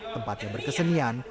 tempat yang berkesenian